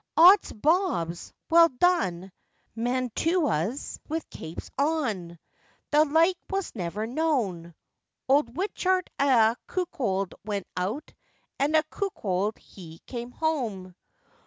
'Ods bobs! well done! mantuas with capes on! The like was never known!' Old Wichet a cuckold went out, and a cuckold he came home!